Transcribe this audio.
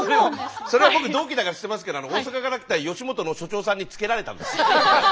それは僕同期だから知ってますけど大阪から来た吉本の所長さんに付けられたんですよ。